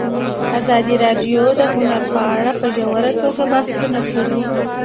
ازادي راډیو د هنر په اړه په ژوره توګه بحثونه کړي.